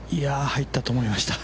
入ったと思いました。